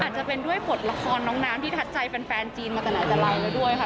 อาจจะเป็นด้วยบทละครน้องน้ำที่ทัดใจแฟนจีนมาแต่ไหนแต่เราแล้วด้วยค่ะ